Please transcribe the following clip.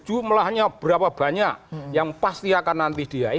jumlahnya berapa banyak yang pasti akan nanti dia